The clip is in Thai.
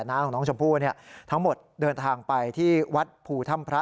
น้าของน้องชมพู่เนี่ยทั้งหมดเดินทางไปที่วัดภูถ้ำพระ